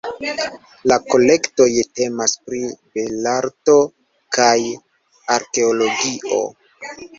La kolektoj temas pri belarto kaj arkeologio.